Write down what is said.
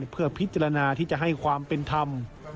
เพื่อพิจารณาที่จะให้ความเป็นธรรม